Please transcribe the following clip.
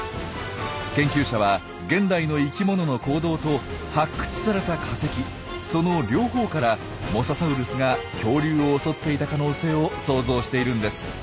研究者は現代の生きものの行動と発掘された化石その両方からモササウルスが恐竜を襲っていた可能性を想像しているんです。